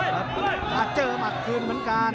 มาเจอหมัดคืนเหมือนกัน